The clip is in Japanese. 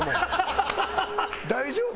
大丈夫？